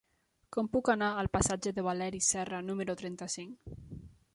Com puc anar al passatge de Valeri Serra número trenta-cinc?